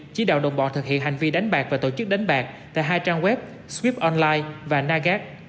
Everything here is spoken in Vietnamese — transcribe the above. chỉ đạo đồng bọn thực hiện hành vi đánh bạc và tổ chức đánh bạc tại hai trang web swip online và nagat